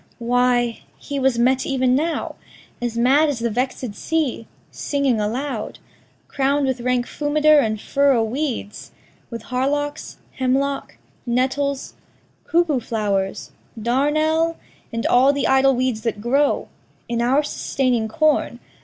Why, he was met even now As mad as the vex'd sea, singing aloud, Crown'd with rank fumiter and furrow weeds, With hardocks, hemlock, nettles, cuckoo flow'rs, Darnel, and all the idle weeds that grow In our sustaining corn.